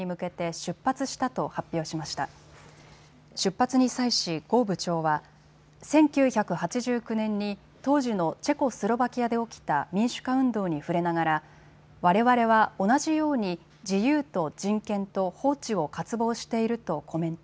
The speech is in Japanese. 出発に際し呉部長は１９８９年に当時のチェコスロバキアで起きた民主化運動に触れながらわれわれは同じように自由と人権と法治を渇望しているとコメント。